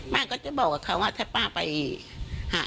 ก็จะบอกกับเขาว่าถ้าป้าไปหา